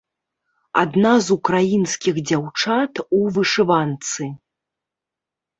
Адна з украінскіх дзяўчат у вышыванцы.